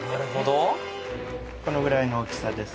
このぐらいの大きさです。